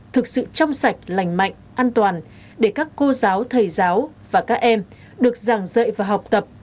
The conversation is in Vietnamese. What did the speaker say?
thực sự trong sạch lành mạnh an toàn để các cô giáo thầy giáo và các em được giảng dạy và học tập